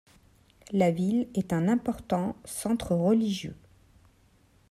La ville est un important centre religieux.